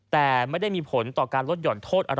แต่ไม่ได้มีผลต่อการลดห่อนโทษอะไร